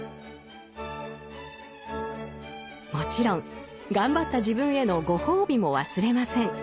もちろん頑張った自分へのご褒美も忘れません。